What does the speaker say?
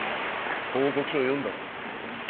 報告書を読んだろ